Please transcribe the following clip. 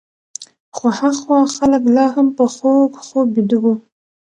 خو هخوا خلک لا هم په خوږ خوب ویده وو.